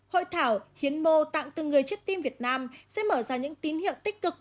hội thảo hiến mô tạng từ người chết tim việt nam sẽ mở ra những tín hiệu tích cực